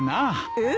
えっ！？